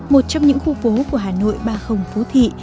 một trong những khu phố của hà nội ba phú thị